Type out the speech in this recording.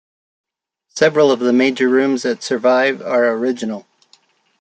Several of the major rooms that survive are original.